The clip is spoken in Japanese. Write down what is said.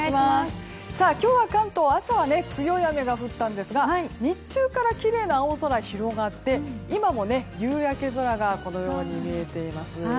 今日関東は朝は強い雨が降ったんですが日中からきれいな青空が広がって今も夕焼け空が見えています。